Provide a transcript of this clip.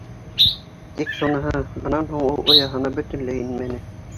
Тик шуныһы: бынан һуң ул ояһына бөтөнләй инмәне.